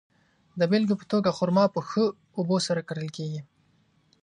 د بېلګې په توګه، خرما په ښه اوبو سره کرل کیږي.